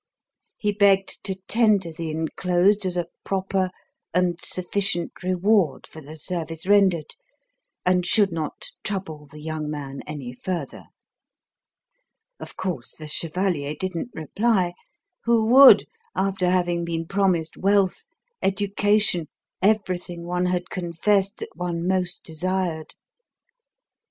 He begged to tender the enclosed as a proper and sufficient reward for the service rendered, and 'should not trouble the young man any further.' Of course, the chevalier didn't reply. Who would, after having been promised wealth, education, everything one had confessed that one most desired?